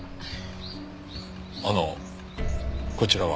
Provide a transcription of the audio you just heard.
あのこちらは？